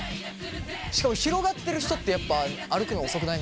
しかも広がってる人ってやっぱ歩くのが遅くない？